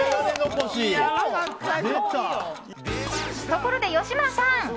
ところで吉村さん